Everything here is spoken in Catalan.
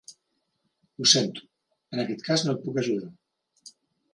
Ho sento, en aquest cas no et puc ajudar.